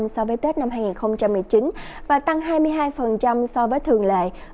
so với tết năm hai nghìn một mươi chín và tăng hai mươi hai so với thường lệ